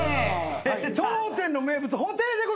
当店の名物布袋でございます。